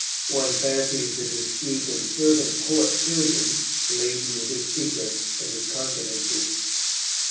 One fancies the discreet and fervent poet surgeon, laden with his secrets and his confidences.